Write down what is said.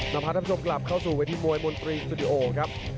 นับภัทรทำชมกลับเข้าสู่เวทีมวยมนตรีสุดิโอครับ